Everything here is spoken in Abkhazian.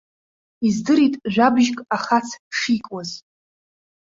Издырит жәабжьк ахац шикуаз.